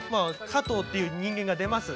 加藤っていう人間が出ます。